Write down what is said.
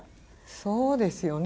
そうですよね。